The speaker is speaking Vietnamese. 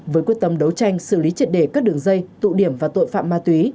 với quyết tâm đấu tranh xử lý triệt đề các đường dây tụ điểm và tội phạm ma túy